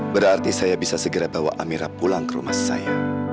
berarti saya bisa segera bawa amira pulang ke rumah saya